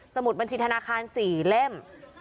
มุดบัญชีธนาคาร๔เล่ม